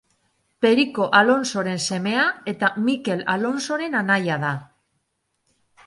Periko Alonsoren semea eta Mikel Alonsoren anaia da.